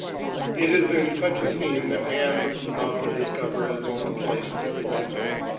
It is in such a scene that man looks about to discover his own place and force.